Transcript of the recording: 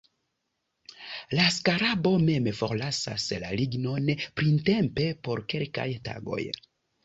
La skarabo mem forlasas la lignon printempe por kelkaj tagoj.